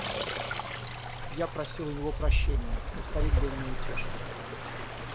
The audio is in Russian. Я просил у него прощения; но старик был неутешен.